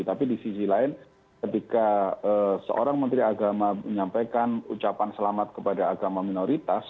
tapi di sisi lain ketika seorang menteri agama menyampaikan ucapan selamat kepada agama minoritas